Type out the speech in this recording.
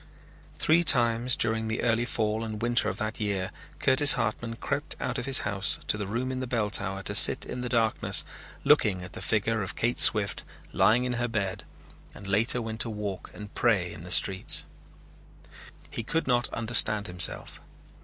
Three times during the early fall and winter of that year Curtis Hartman crept out of his house to the room in the bell tower to sit in the darkness looking at the figure of Kate Swift lying in her bed and later went to walk and pray in the streets. He could not understand himself.